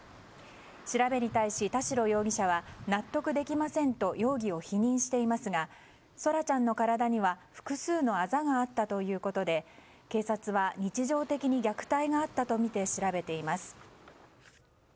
調べに対し田代容疑者は納得できませんと容疑を否認していますが空来ちゃんの体には複数のあざがあったということで警察は日常的に虐待があったとみて調べています。